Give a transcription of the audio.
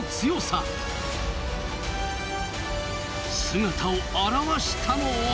姿を現したのは。